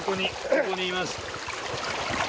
ここにいます。